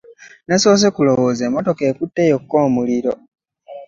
Nasoose kulowooza emmotoka ekutte yokka omuliro.